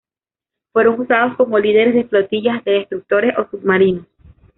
Fueron usados como líderes de flotillas de destructores o submarinos.